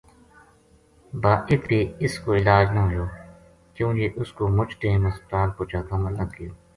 با اِت بے اس کو علاج نہ ہویو کیوں جے اس کو مُچ ٹیم ہسپتال پوہچاتاں ما لگ گیو